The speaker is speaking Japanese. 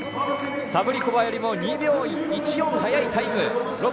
サブリコバーよりも２秒１４早いタイム。